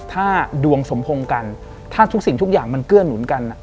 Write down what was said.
ถ้าดวงสมพงษ์กันถ้าทุกสิ่งทุกอย่างมันเกื้อหนุนกัน